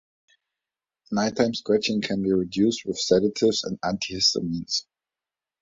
Nighttime scratching can be reduced with sedatives and antihistamines.